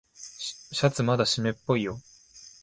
シャツまだしめっぽいよ。